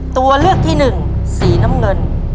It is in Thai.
ตัวเลือกที่หนึ่งสีน้ำเงิน